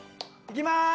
いきます！